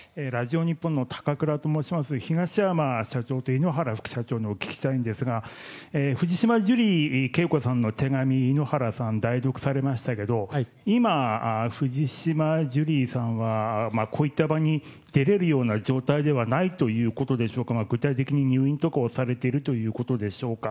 東山社長と井ノ原副社長にお聞きしたいんですが、藤島ジュリー景子さんの手紙、井ノ原さん、代読されましたけど、今、藤島ジュリーさんは、こういった場に出れるような状態ではないということでしょうか、具体的に入院とかをされているということでしょうか。